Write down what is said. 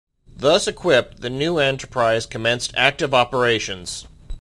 Thus equipped the new enterprise commenced active operations.